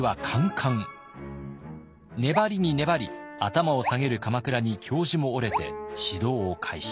粘りに粘り頭を下げる鎌倉に教授も折れて指導を開始。